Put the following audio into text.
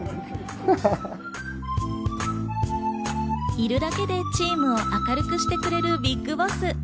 いるだけでチームを明るくしてくれるＢＩＧＢＯＳＳ。